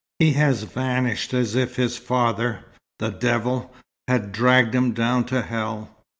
"He has vanished as if his father, the devil, had dragged him down to hell."